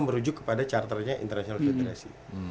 merujuk kepada charter nya international federasi